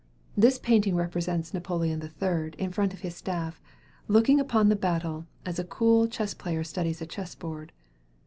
This painting represents Napoleon III. in front of his staff, looking upon the battle "as a cool player studies a chess board.